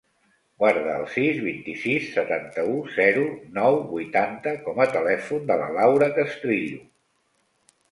Guarda el sis, vint-i-sis, setanta-u, zero, nou, vuitanta com a telèfon de la Laura Castrillo.